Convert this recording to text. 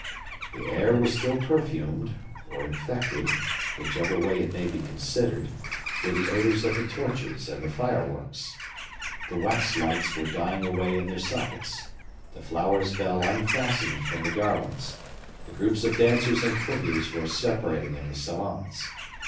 The air was still perfumed, or infected, whichever way it may be considered, with the odors of the torches and the fireworks. The wax lights were dying away in their sockets, the flowers fell unfastened from the garlands, the groups of dancers and courtiers were separating in the salons.